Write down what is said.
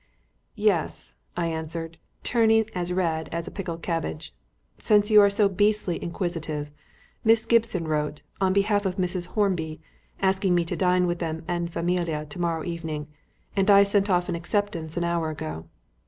"Yes," I answered, turning as red as a pickled cabbage; "since you are so beastly inquisitive. Miss Gibson wrote, on behalf of Mrs. Hornby, asking me to dine with them en famille to morrow evening, and I sent off an acceptance an hour ago."